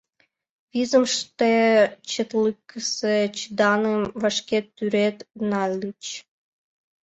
Визымше четлыкысе шыдаҥым вашке тӱред нальыч.